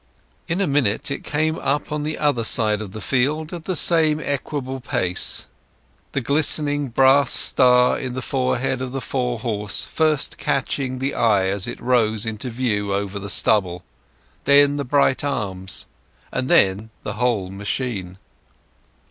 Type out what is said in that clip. In a minute it came up on the other side of the field at the same equable pace; the glistening brass star in the forehead of the fore horse first catching the eye as it rose into view over the stubble, then the bright arms, and then the whole machine.